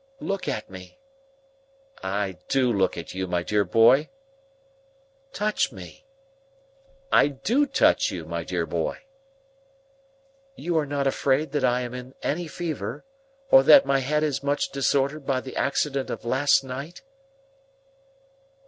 "Look at me." "I do look at you, my dear boy." "Touch me." "I do touch you, my dear boy." "You are not afraid that I am in any fever, or that my head is much disordered by the accident of last night?"